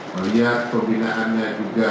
melihat pembinaannya juga